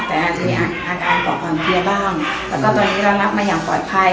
แต่ทีนี้อาการก่อความเพลียบ้างแล้วก็ตอนนี้ระงับมาอย่างปลอดภัย